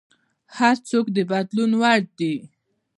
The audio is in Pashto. هر څوک د بدلون وړ دی.